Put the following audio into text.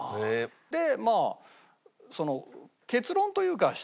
でまあ結論というか。